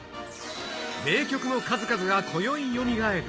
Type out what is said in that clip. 名曲の数々がこよい、よみがえる。